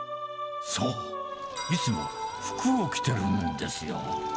そう、いつも服を着てるんですよ。